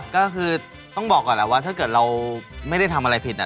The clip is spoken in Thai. ก็คือต้องบอกก่อนแหละว่าถ้าเกิดเราไม่ได้ทำอะไรผิด